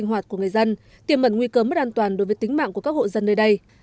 hoạt của người dân tiềm mẩn nguy cơ mất an toàn đối với tính mạng của các hộ dân nơi đây